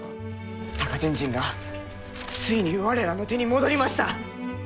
高天神がついに我らの手に戻りました！